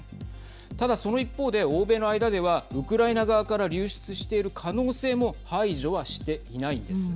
ただ、その一方で欧米の間ではウクライナ側から流出している可能性も排除はしていないんです。